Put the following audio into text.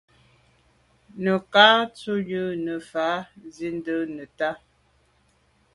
Nə̀ cǎ tǎ ú rə̌ nə̀ fà’ zí’də́ bə́ nə̀tá.